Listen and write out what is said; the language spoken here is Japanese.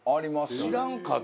知らんかった。